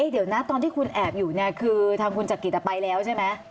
เดี๋ยวนะตอนที่คุณแอบอยู่เนี่ยคือทางคุณจักริตไปแล้วใช่ไหม